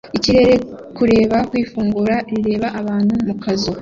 Ikirere-kureba ku ifunguro rireba abantu mu kazu